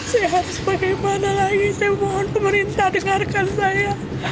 saya harus bagaimana lagi saya mohon pemerintah dengarkan saya